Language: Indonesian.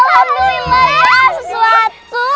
alhamdulillah ya sesuatu